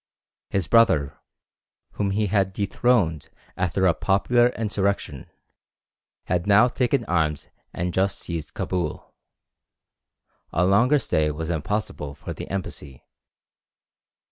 His brother, whom he had dethroned after a popular insurrection, had now taken arms and just seized Cabul. A longer stay was impossible for the embassy.